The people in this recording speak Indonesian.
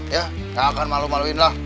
ya nggak akan malu maluin lah